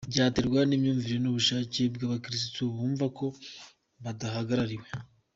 Byaterwa n’imyumvire n’ubushake bw’abakirisitu bumva ko badahagarariwe.